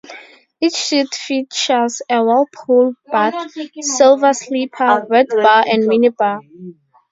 Each suite features a whirlpool bath, sofa sleeper, wet bar, and mini-bar.